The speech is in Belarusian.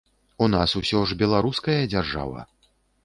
У нас усё ж беларуская дзяржава.